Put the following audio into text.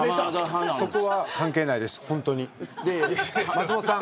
そこは関係ないです、本当に。